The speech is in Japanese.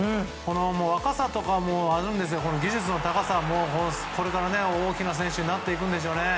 若さとかもあるんですが技術の高さこれから大きな選手になっていくんでしょうね。